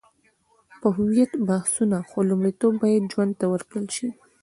په هویت بحثونه، خو لومړیتوب باید ژوند ته ورکړل شي.